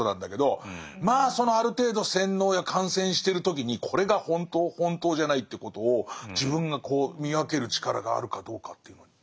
まあそのある程度洗脳や感染してる時にこれが本当本当じゃないっていうことを自分が見分ける力があるかどうかっていうのに。